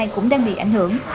cũng đang bị ảnh hưởng